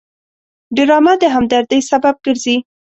ډرامه د همدردۍ سبب ګرځي